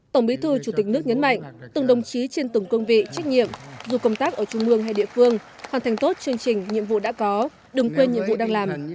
tổng bí thư chủ tịch nước nhấn mạnh từng đồng chí trên từng cương vị trách nhiệm dù công tác ở trung mương hay địa phương hoàn thành tốt chương trình nhiệm vụ đã có đừng quên nhiệm vụ đang làm